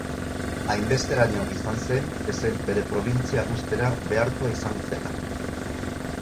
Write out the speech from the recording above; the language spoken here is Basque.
Hainbesteraino izan zen, ezen bere probintzia uztera behartua izan zela.